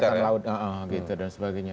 rana tni angkatan laut gitu dan sebagainya